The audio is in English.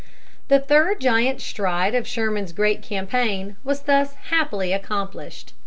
The third giant stride of Sherman's great campaign was thus happily accomplished.